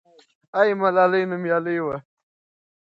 آیا ملالۍ نومیالۍ وه؟